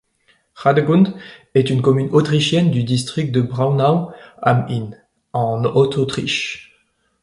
Radegund est une commune autrichienne du district de Braunau am Inn en Haute-Autriche.